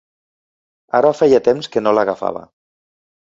Ara feia temps que no l'agafava.